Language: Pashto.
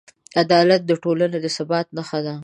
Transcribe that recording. عدالت د ټولنې د ثبات نښه ده.